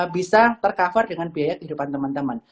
bisa ter cover dengan biaya kehidupan teman teman